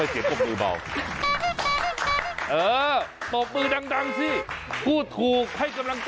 ช่วยด่า